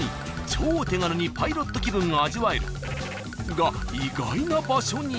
超手軽にパイロット気分が味わえるが意外な場所に］